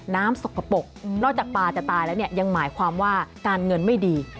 สกปรกนอกจากปลาจะตายแล้วเนี่ยยังหมายความว่าการเงินไม่ดี